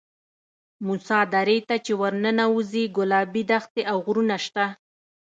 موسی درې ته چې ورننوځې ګلابي دښتې او غرونه شته.